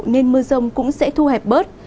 nên mưa rông cũng sẽ thu hẹp bớt